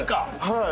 はい。